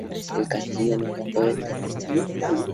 El castillo nunca fue terminado.